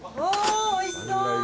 おいしそう。